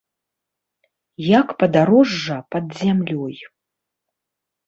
Як падарожжа пад зямлёй.